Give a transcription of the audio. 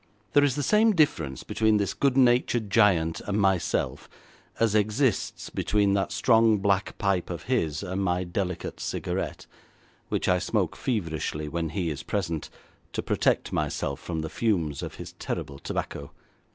There is the same difference between this good natured giant and myself as exists between that strong black pipe of his and my delicate cigarette, which I smoke feverishly when he is present, to protect myself from the fumes of his terrible tobacco.